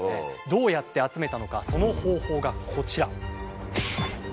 どうやって集めたのかその方法がこちら。